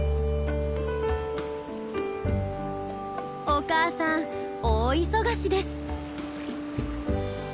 お母さん大忙しです。